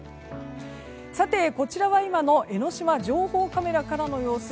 さて、こちらは今の江の島情報カメラからの様子。